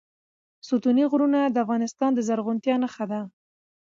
ستوني غرونه د افغانستان د زرغونتیا نښه ده.